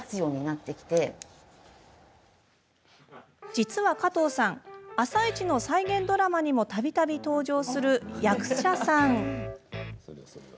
実は加藤さん「あさイチ」の再現ドラマにもたびたび登場する役者さん。